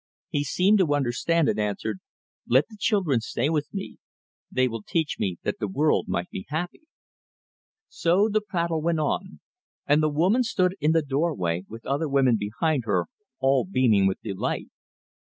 He seemed to understand, and answered, "Let the children stay with me. They teach me that the world might be happy." So the prattle went on, and the woman stood in the doorway, with other women behind her, all beaming with delight.